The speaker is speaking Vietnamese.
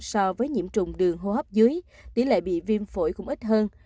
so với nhiễm trùng đường hô hấp dưới tỷ lệ bị viêm phổi cũng ít hơn